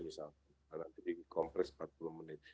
misalnya karena dikompres empat puluh menit